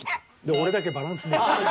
俺だけバランスボール。